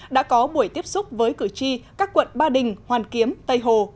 đã có buổi tiếp xúc với cử tri các quận ba đình hoàn kiếm tây hồ